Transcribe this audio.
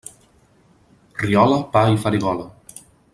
Riola, pa i farigola.